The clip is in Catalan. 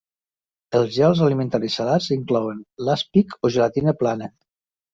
Els gels alimentaris salats inclouen l'aspic o gelatina plana.